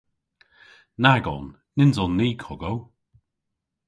Nag on. Nyns on ni kogow.